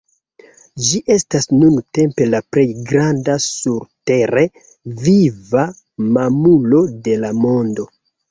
Ĝi estas nuntempe la plej granda surtere viva mamulo de la mondo.